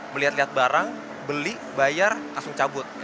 melihat lihat barang beli bayar langsung cabut